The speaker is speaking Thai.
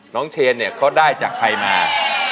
เชนเนี่ยเขาได้จากใครมา